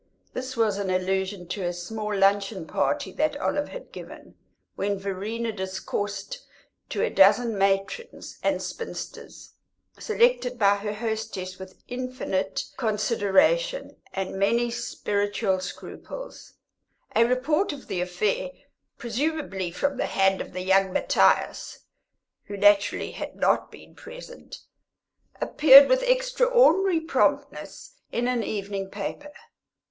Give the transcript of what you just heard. (This was an allusion to a small luncheon party that Olive had given, when Verena discoursed to a dozen matrons and spinsters, selected by her hostess with infinite consideration and many spiritual scruples; a report of the affair, presumably from the hand of the young Matthias, who naturally had not been present, appeared with extraordinary promptness in an evening paper.)